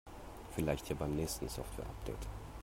Vielleicht ja beim nächsten Softwareupdate.